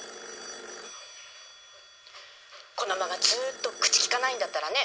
☎☎このままずっと口きかないんだったらね